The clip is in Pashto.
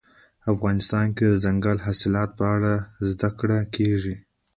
افغانستان کې د دځنګل حاصلات په اړه زده کړه کېږي.